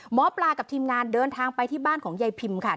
หมอปลากับทีมงานเดินทางไปที่บ้านของยายพิมค่ะ